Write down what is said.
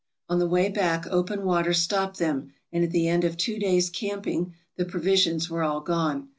On the way back open water stopped them, and at the end of two days' camping the provisions were all gone.